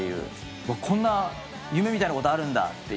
こんな夢みたいなことあるんだっていう。